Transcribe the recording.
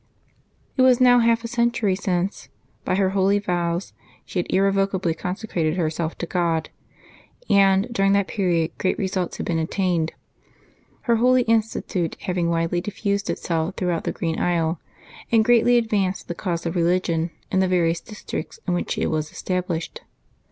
It was now half a century since, by her holy vows, she had irrevocably con secrated herself to God, and during that period great results had been attained; her holy institute having widely diffused itself throughout the Green Isle, and greatly ad vanced the cause of religion in the various districts in which it was established.